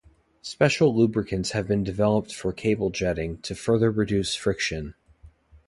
Special lubricants have been developed for cable jetting to further reduce friction.